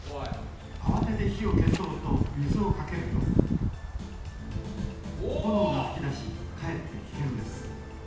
あわてて火を消そうと水をかけると炎がふき出しかえって危険です。